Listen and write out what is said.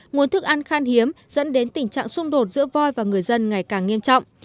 nguồn thức ăn khan hiếm dẫn đến tình trạng xung đột giữa voi và người dân ngày càng nghiêm trọng